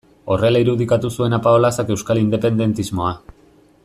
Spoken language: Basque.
Horrela irudikatu zuen Apaolazak euskal independentismoa.